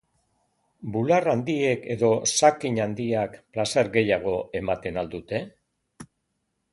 Bular handiek edo zakin handiak plazer gehiago ematen al dute?